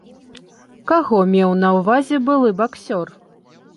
Каго меў на ўвазе былы баксёр?